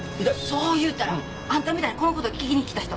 そういうたらあんたみたいにこの事聞きに来た人おったわ。